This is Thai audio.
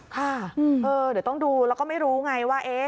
ค่ะเดี๋ยวต้องดูแล้วก็ไม่รู้ไงว่า